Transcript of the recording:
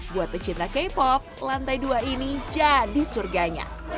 buat pecinta k pop lantai dua ini jadi surganya